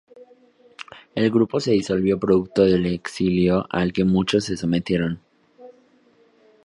El grupo se disolvió producto del exilio al que muchos se sometieron.